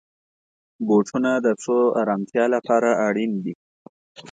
بوټونه د پښو آرامتیا لپاره اړین دي.